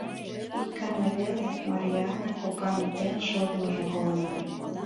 Ик гана веле Марйаана кокан утен шортмыжым колынам.